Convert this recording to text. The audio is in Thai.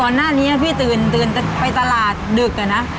หน้านี้พี่ตื่นไปตลาดดึกอะนะ